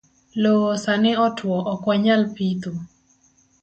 Loo sani otuo ok wanyal pitho